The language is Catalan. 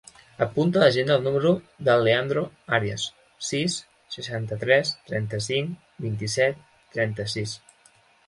Apunta a l'agenda el número del Leandro Arias: sis, seixanta-tres, trenta-cinc, vint-i-set, trenta-sis.